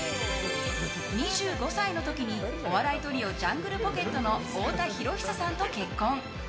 ２５歳の時にお笑いトリオジャングルポケットの太田博久さんと結婚。